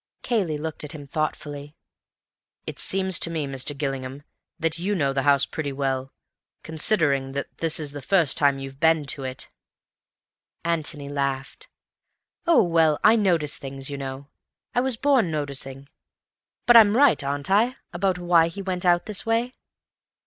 Cayley looked at him thoughtfully. "It seems to me, Mr. Gillingham, that you know the house pretty well, considering that this is the first time you've been to it." Antony laughed. "Oh, well, I notice things, you know. I was born noticing. But I'm right, aren't I, about why he went out this way?"